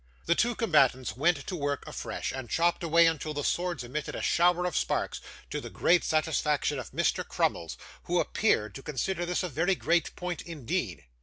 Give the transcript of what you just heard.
The two combatants went to work afresh, and chopped away until the swords emitted a shower of sparks: to the great satisfaction of Mr Crummles, who appeared to consider this a very great point indeed.